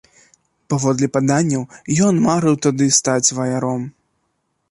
Паводле паданняў, ён марыў тады стаць ваяром.